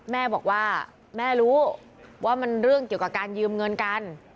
แม่บอกว่าแม่รู้ว่ามันเรื่องเกี่ยวกับการยืมเงินกัน